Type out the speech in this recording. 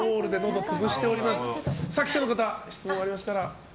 記者の方、質問ありましたら。